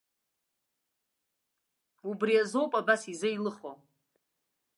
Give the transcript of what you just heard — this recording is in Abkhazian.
Убри азоуп абас изеилыхо.